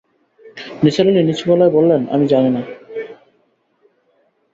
নিসার আলি নিছু গলায় বললেন, আমি জানি না।